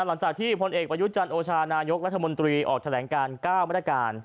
หลังจากที่พลเอกประยุทธ์จันทร์โอชานายกรัฐมนตรีออกแถลงการ๙มาตรการ